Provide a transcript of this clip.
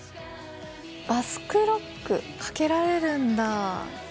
バスクロック掛けられるんだ。